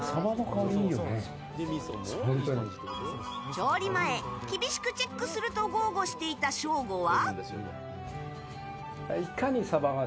調理前、厳しくチェックすると豪語していたショーゴは。